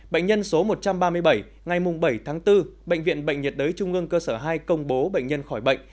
bệnh nhân số một trăm ba mươi bảy ngày bảy tháng bốn bệnh viện bệnh nhiệt đới trung ương cơ sở hai công bố bệnh nhân khỏi bệnh